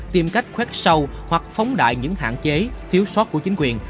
tìm cách khoét sâu hoặc phóng đại những hạn chế thiếu sót của chính quyền